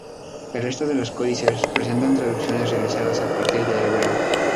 El resto de los códices presentan traducciones realizadas a partir del hebreo.